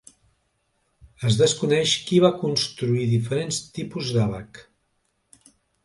Es desconeix qui va construir diferents tipus d'àbac.